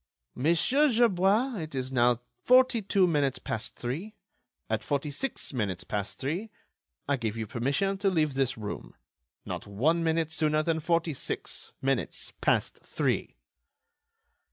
"Monsieur Gerbois, it is now forty two minutes past three. At forty six minutes past three, I give you permission to leave this room. Not one minute sooner than forty six minutes past three."